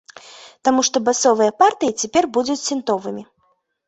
Таму што басовыя партыі цяпер будуць сінтовымі.